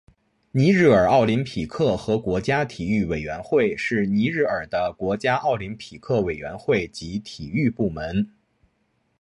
尼日尔奥林匹克和国家体育委员会是尼日尔的国家奥林匹克委员会及体育部门。